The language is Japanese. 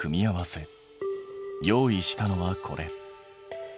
用意したのはこれ。